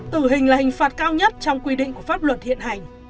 tử hình là hình phạt cao nhất trong quy định của pháp luật hiện hành